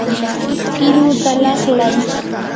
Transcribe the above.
qiruta laqlay.